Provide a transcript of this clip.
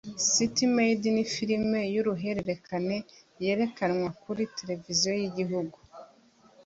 City Maid ni filime y’uruhererekane yerekanwa kuri Tereviziyo y’igihugu